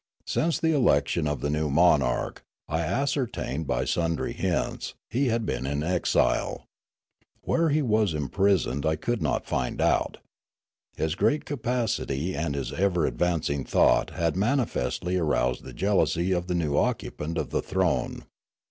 Since the election of the new monarch, I ascertained by sundry hints, he had been in exile. Where he was imprisoned I could not find out. His great capacity and his ever advanc ing thought had manifestly aroused the jealousy of the new occupant of the throne.